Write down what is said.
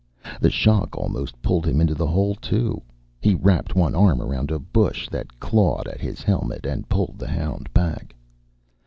The shock almost pulled him into the hole too. He wrapped one arm around a bush that clawed at his helmet and pulled the hound back.